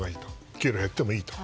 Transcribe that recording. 給料減ってもいいと。